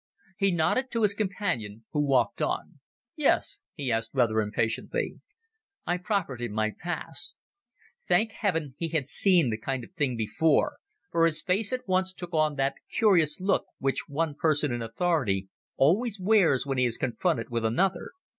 He nodded to his companion, who walked on. "Yes?" he asked rather impatiently. I proffered him my pass. Thank Heaven he had seen the kind of thing before, for his face at once took on that curious look which one person in authority always wears when he is confronted with another.